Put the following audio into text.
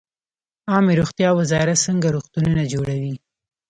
عامې روغتیا وزارت څنګه روغتونونه جوړوي؟